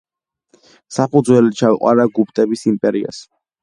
საფუძველი ჩაუყარა გუპტების იმპერიას.